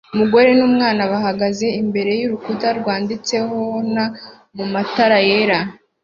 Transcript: Umugore n'umwana bahagaze imbere y'urukuta rwanditsehona matara yera